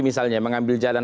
misalnya mengambil jalan